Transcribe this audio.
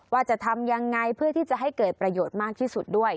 ว่าจะทำยังไงเพื่อที่จะให้เกิดประโยชน์มากที่สุดด้วย